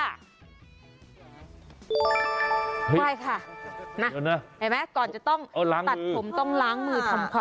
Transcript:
ไม่ค่ะเห็นไหมก่อนจะต้องตัดผมต้องล้างมือทำความ